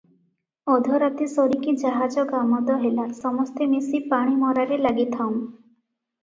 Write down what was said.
ଅଧରାତି ସରିକି ଜାହାଜ ଗାମଦ ହେଲା, ସମସ୍ତେ ମିଶି ପାଣିମରାରେ ଲାଗିଥାଉଁ ।